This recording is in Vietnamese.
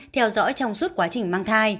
theo dõi trong suốt quá trình mang thai